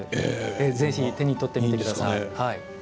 ぜひ手に取ってみてください。